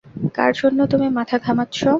কার জন্য তুমি মাথা ঘামাচ্ছো?